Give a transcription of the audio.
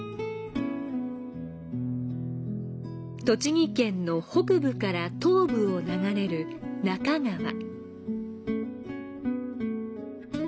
栃木県の北部から東部を流れる那珂川。